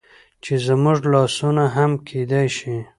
چې زموږ لاسونه هم کيدى شي